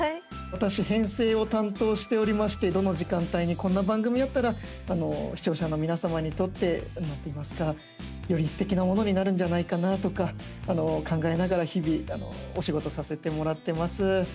私、編成を担当しておりましてどの時間帯にこんな番組あったら視聴者の皆様にとってなんといいますかよりすてきなものになるんじゃないかなとか考えながら日々お仕事させてもらってます。